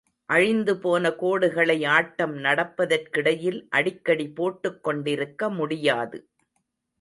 அழிந்துபோன கோடுகளை ஆட்டம் நடப்பதற் கிடையில் அடிக்கடி போட்டுக் கொண்டிருக்க முடியாது.